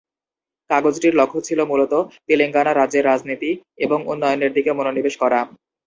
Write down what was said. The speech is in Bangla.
কাগজটির লক্ষ্য ছিল মূলত তেলেঙ্গানা রাজ্যের রাজনীতি এবং উন্নয়নের দিকে মনোনিবেশ করা।